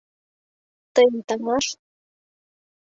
— Тыйын таҥаш...